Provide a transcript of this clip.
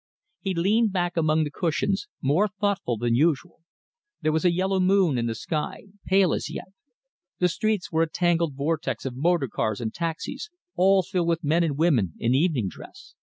He leaned back among the cushions, more thoughtful than usual. There was a yellow moon in the sky, pale as yet. The streets were a tangled vortex of motorcars and taxies, all filled with men and women in evening dress.